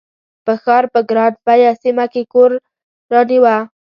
په ښار په ګران بیه سیمه کې کور رانیوه.